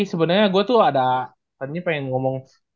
sebenernya gua tuh ada tadinya pengen ngomong